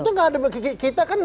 itu nggak ada kita kan